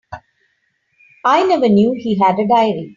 I never knew he had a diary.